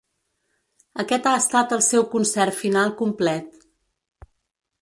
Aquest ha estat el seu concert final complet.